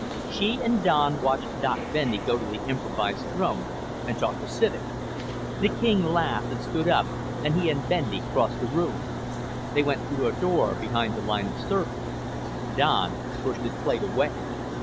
She and Don watched Doc Bendy go to the improvised throne and talk to Civek. The king laughed and stood up and he and Bendy crossed the room. They went through a door behind the line of servers. Don pushed his plate away.